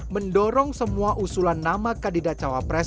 mereka saling mengusulkan nama dari previous era